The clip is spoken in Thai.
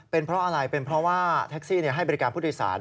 เป็นเพราะอะไรเป็นเพราะว่าแท็กซี่ให้บริการผู้โดยสาร